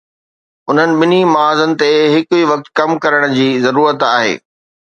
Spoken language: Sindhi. انهن ٻنهي محاذن تي هڪ ئي وقت ڪم ڪرڻ جي ضرورت آهي.